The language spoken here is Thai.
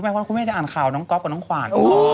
เพราะคุณแม่จะอ่านข่าวน้องก๊อฟกับน้องขวัญ